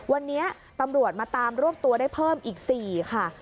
วันนี้ตำรวจมาตามรวบตัวได้เพิ่มอีก๔ค่ะ